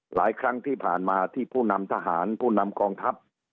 หลายครั้งที่ผ่านมาที่ผู้นำทหารผู้นำกองทัพ